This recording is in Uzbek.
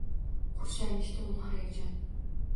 Qurshamishdi uni hayajon